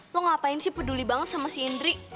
lo ngapain sih peduli banget sama si indri